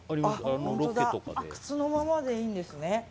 本当だ、靴のままでいいんですね。